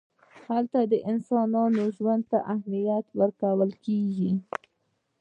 هلته د انسان ژوند ته اهمیت ورکول کېږي.